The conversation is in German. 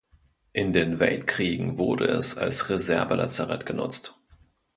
In den Weltkriegen wurde es als Reservelazarett genutzt.